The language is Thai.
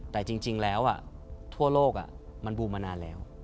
แต่จริงแล้วทั่วโลกมันบูมมานานแล้ว